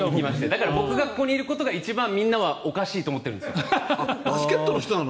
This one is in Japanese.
だから、僕がここにいることがみんなは一番おかしいと思ってるんですよ。